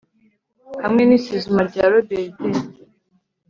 hamwe n'isuzuma rya robert d